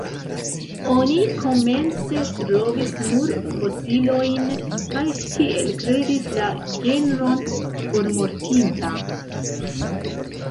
Oni komence trovis nur fosiliojn, kaj tiel kredis la genron formortinta.